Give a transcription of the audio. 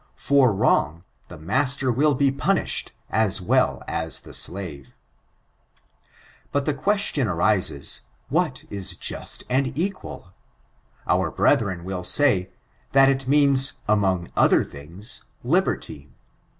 For wrong, the master will be punished as well as the slave. But the question arises, what is just and equal f Our Brethren will say, that it means, among other things, liberty.